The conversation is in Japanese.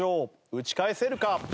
打ち返せるか？